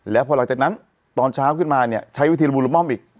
แล้วพอหลังจากนั้นตอนเช้าขึ้นมาเนี่ยใช้วิธีละมูลละม่อมอีก